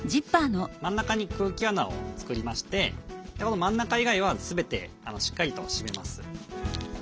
真ん中に空気穴を作りましてこの真ん中以外は全てしっかりと締めます。